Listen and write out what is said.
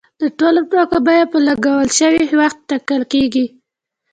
د ټولو توکو بیه په لګول شوي وخت ټاکل کیږي.